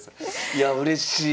いやうれしい。